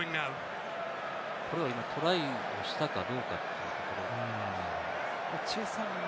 これはトライをしたかどうかということ？